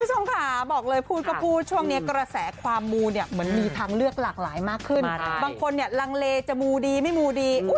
พิชงคาบอกเลยพูดก็พูดช่วงนี้กระแสความมู